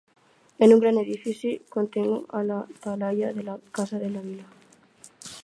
És un gran edifici contigu a la Talaia de la Casa de la Vila.